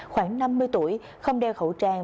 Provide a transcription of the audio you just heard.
khoảng năm mươi tuổi không đeo khẩu trang